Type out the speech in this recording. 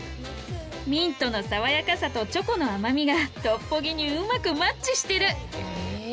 ミントの爽やかさとチョコの甘みがトッポギにうまくマッチしてる。